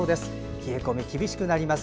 冷え込み厳しくなります。